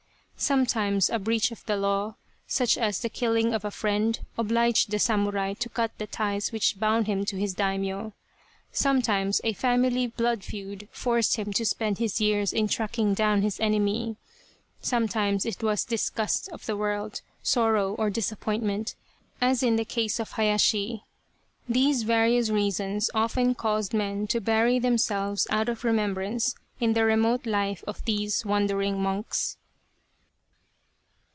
Sometimes a breach of the law, such as the killing of a friend, obliged the samurai to cut the ties which bound him to his Daimio ; sometimes a family blood feud forced him to spend his years in tracking down his enemy ; sometimes it was disgust of the world, sorrow or disappointment, as in the case of Hayashi : these various reasons often caused men to bury themselves out of remembrance in the remote life of these wander ing monks.